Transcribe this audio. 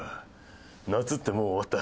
夏ってもう終わった？